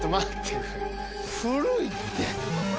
古いって。